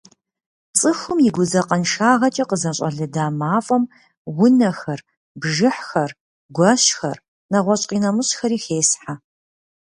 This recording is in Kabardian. ЦӀыхум и гудзакъэншагъэкӀэ къызэщӀэлында мафӀэм унэхэр, бжыхьхэр, гуэщхэр нэгъуэщӏ къинэмыщӏхэри хесхьэ.